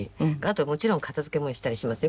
もちろん片付けものしたりしますよ。